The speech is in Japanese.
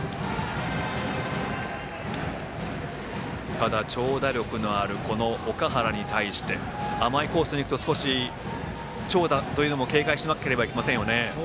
ただ、長打力のある岳原に対して甘いコースにいくと少し長打も警戒しなくてはいけませんよね。